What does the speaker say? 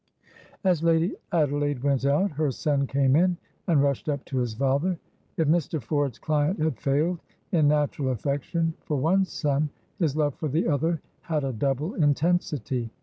As Lady Adelaide went out, her son came in, and rushed up to his father. If Mr. Ford's client had failed in natural affection for one son, his love for the other had a double intensity.